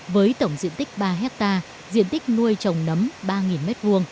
với tổng diện tích ba hectare diện tích nuôi trồng nấm ba m hai